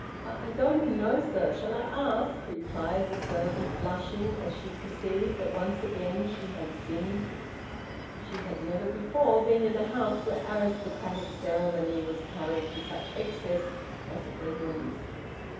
"I I don't know, sir. Shall I ask?" replied the servant, blushing as she perceived that once again she had sinned. She had never before been in a house where aristocratic ceremony was carried to such excess as at Edwin's.